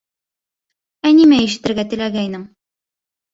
Ә нимә ишетергә теләгәйнең?